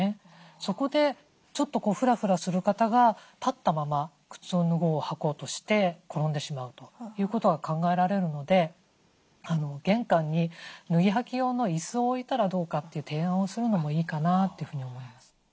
そこでちょっとフラフラする方が立ったまま靴を脱ごう履こうとして転んでしまうということが考えられるので玄関に脱ぎ履き用の椅子を置いたらどうかという提案をするのもいいかなというふうに思います。